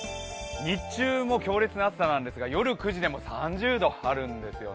日中も強烈な暑さなんですけど夜９時でも３０度あるんですね。